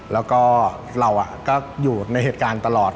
แล้วก็เราก็อยู่ในเหตุการณ์ตลอด